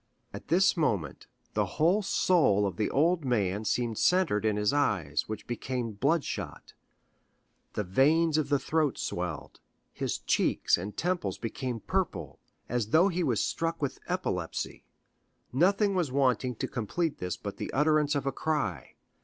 At this moment the whole soul of the old man seemed centred in his eyes which became bloodshot; the veins of the throat swelled; his cheeks and temples became purple, as though he was struck with epilepsy; nothing was wanting to complete this but the utterance of a cry.